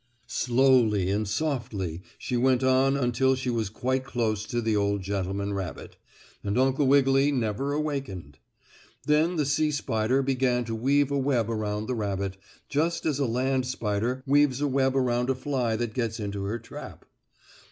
Slowly and softly she went on until she was quite close to the old gentleman rabbit, and Uncle Wiggily never awakened. Then the sea spider began to weave a web around the rabbit, just as a land spider weaves a web around a fly that gets into her trap.